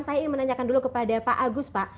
saya ingin menanyakan dulu kepada pak agus pak